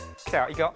いくよ。